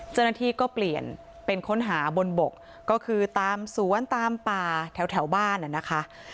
เจ้าหน้าที่ก็เปลี่ยนเป็นค้นหาบนบกก็คือตามสวนตามป่าแถวบ้านนะคะ